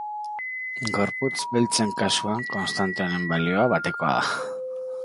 Gorputz beltzen kasuan konstante honen balioa batekoa da.